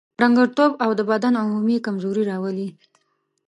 ډنګرتوب او د بدن عمومي کمزوري راولي.